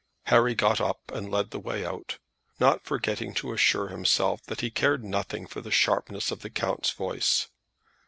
Harry got up and led the way out, not forgetting to assure himself that he cared nothing for the sharpness of the count's voice.